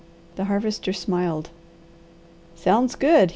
The Harvester smiled. "Sounds good!"